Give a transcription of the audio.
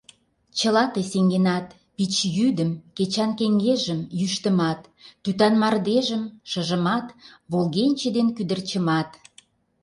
Чыла тый сеҥенат: пич йӱдым, Кечан кеҥежым, йӱштымат, Тӱтан мардежым, шыжымат, Волгенче ден кӱдырчымат.